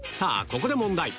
ここで問題